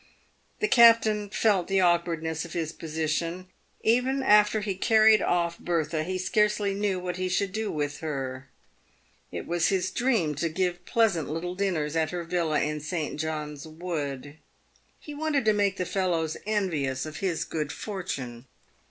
The captain felt the awkwardness of his position. Even after he carried off ' Bertha, he scarcely knew what he should do with her. It was his dream to give pleasant little dinners at her villa in St. John's "Wood. He wanted to make the fellows envious of his good fortune.